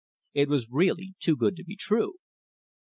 It was really too good to be true!